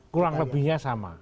kurang lebihnya sama